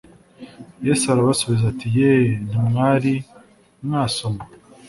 Yesu arabasubiza ati : Yee, Ntimwari mwasoma